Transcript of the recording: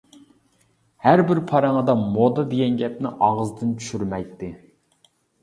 ھەربىر پارىڭىدا مودا دېگەن گەپنى ئاغزىدىن چۈشۈرمەيتتى.